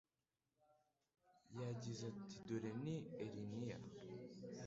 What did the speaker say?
yagize ati Dore ni Erynniya